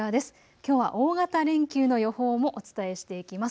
きょうは大型連休の予報もお伝えしていきます。